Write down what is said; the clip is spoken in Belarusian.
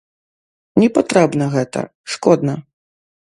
Не патрэбна гэта, шкодна.